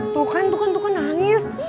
tuh kan tuh kan nangis